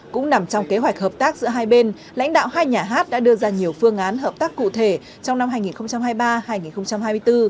cũng nằm trong kế hoạch hợp tác giữa hai bên lãnh đạo hai nhà hát đã đưa ra nhiều phương án hợp tác cụ thể trong năm hai nghìn hai mươi ba hai nghìn hai mươi bốn